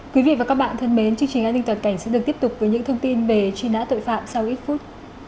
quý vị và các bạn thân mến chương trình an ninh toàn cảnh sẽ được tiếp tục với những thông tin về truy nã tội phạm sau ít phút